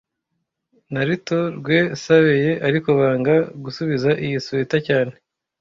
naritorwesabeye, ariko banga gusubiza iyi swater cyane